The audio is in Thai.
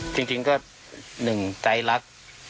จริงก็หนึ่งใจรัก